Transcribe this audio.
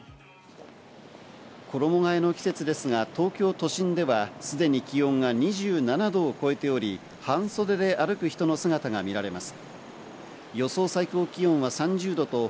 衣替えの季節ですが、東京都心ではすでに気温が２７度を超えており、半袖で歩く人の姿が見られます。